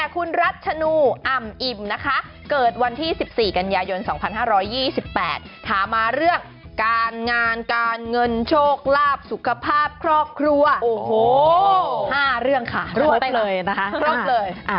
ครอบครัวโอ้โหห้าเรื่องค่ะครบเลยนะคะครบเลยอ่า